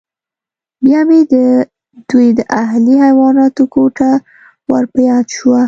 بیا مې د دوی د اهلي حیواناتو کوټه ور په یاد شوه